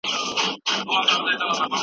موږ د خپل هیواد پرمختګ غواړو.